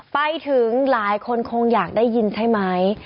ไปถึงหลายคนคงอยากได้ยินใช่ไหม